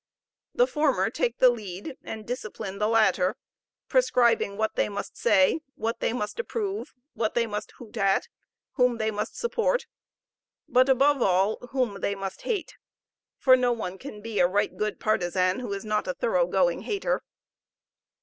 The former take the lead and discipline the latter, prescribing what they must say, what they must approve, what they must hoot at, whom they must support, but, above all, whom they must hate; for no one can be a right good partisan who is not a thoroughgoing hater.